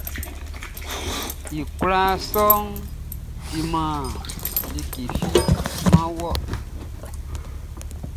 I kwlaa sɔʼn timan like fi man wɔ.